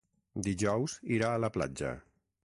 Dijous irà a la platja.